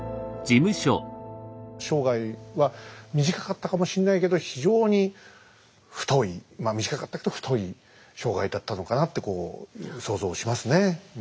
生涯は短かったかもしんないけど非常に太いまあ短かったけど太い生涯だったのかなってこう想像をしますね。